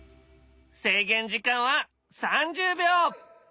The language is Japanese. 制限時間は３０秒。